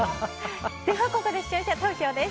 ここで視聴者投票です。